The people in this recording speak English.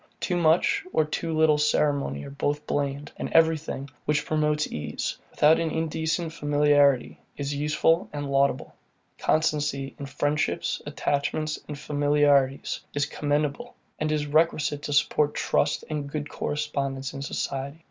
Too much or too little ceremony are both blamed, and everything, which promotes ease, without an indecent familiarity, is useful and laudable. Constancy in friendships, attachments, and familiarities, is commendable, and is requisite to support trust and good correspondence in society.